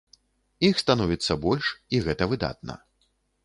Іх становіцца больш, і гэта выдатна.